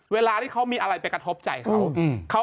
เวลาที่เขามีอะไรไปกระทบใจเขา